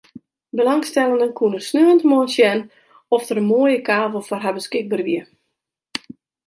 Belangstellenden koene sneontemoarn sjen oft der in moaie kavel foar har beskikber wie.